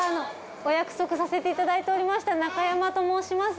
お約束させていただいておりました中山と申します。